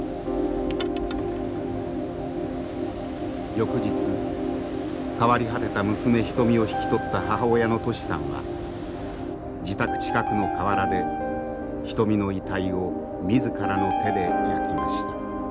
翌日変わり果てた娘牟を引き取った母親のトシさんは自宅近くの河原で牟の遺体を自らの手で焼きました。